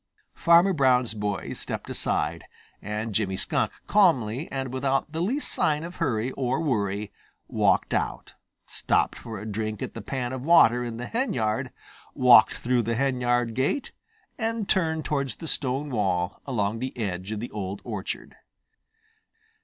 Farmer Brown's boy stepped aside, and Jimmy Skunk calmly and without the least sign of hurry or worry walked out, stopped for a drink at the pan of water in the henyard, walked through the henyard gate, and turned towards the stone wall along the edge of the Old Orchard.